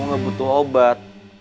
aku gak butuh obat